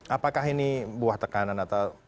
apakah ini buah tekanan atau